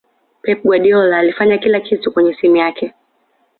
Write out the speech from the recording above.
pep guardiola alifanya kila kitu kwenye timu yake